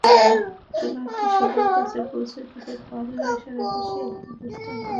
চুলাটি সবার কাছে পৌঁছে দিতে পারলে সারা বিশ্বে একটি দৃষ্টান্ত হয়ে থাকবে।